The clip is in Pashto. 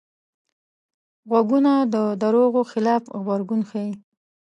غوږونه د دروغو خلاف غبرګون ښيي